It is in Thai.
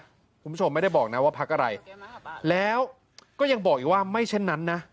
คุณผู้ชมไม่ได้บอกนะว่าพักอะไรแล้วก็ยังบอกอีกว่าไม่เช่นนั้นนะ